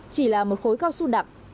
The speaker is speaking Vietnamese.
chỉ là một khối cao su đặc